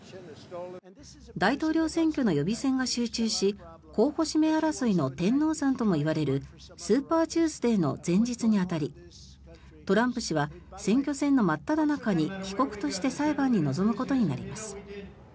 大統領選挙の予備選が集中し候補指名争いの天王山ともいわれるスーパーチューズデーの前日に当たりトランプ氏は選挙戦の真っただ中に被告として裁判に臨むことになります。